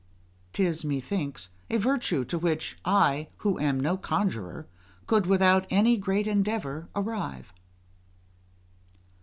'Tis, methinks, a virtue to which I, who am no conjuror, could without any great endeavour arrive.